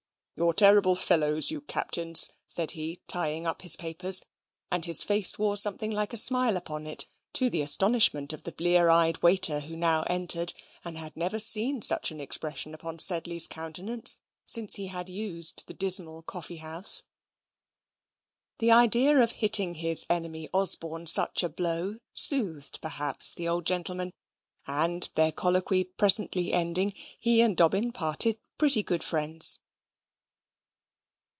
"You're terrible fellows, you Captains," said he, tying up his papers; and his face wore something like a smile upon it, to the astonishment of the blear eyed waiter who now entered, and had never seen such an expression upon Sedley's countenance since he had used the dismal coffee house. The idea of hitting his enemy Osborne such a blow soothed, perhaps, the old gentleman: and, their colloquy presently ending, he and Dobbin parted pretty good friends.